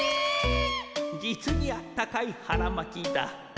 実にあったかいはらまきだ。